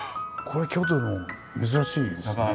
これ京都でも珍しいですね。